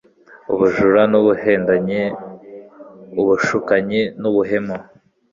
ubujura n'ubuhendanyi, ubushukanyi n'ubuhemu